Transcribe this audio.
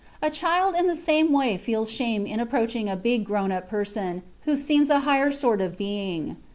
A child in the same way feels shame in approaching a big, grown up person, who seems a higher sort of being.